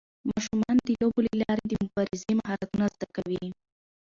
ماشومان د لوبو له لارې د مبارزې مهارتونه زده کوي.